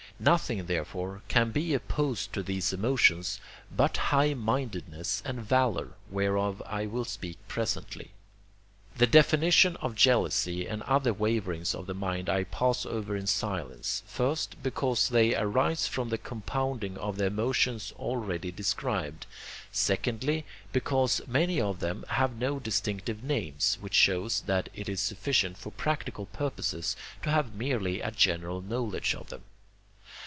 Nothing, therefore, can be opposed to these emotions, but high mindedness and valour, whereof I will speak presently. The definitions of jealousy and other waverings of the mind I pass over in silence, first, because they arise from the compounding of the emotions already described; secondly, because many of them have no distinctive names, which shows that it is sufficient for practical purposes to have merely a general knowledge of them.